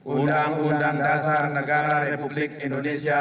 undang undang dasar negara republik indonesia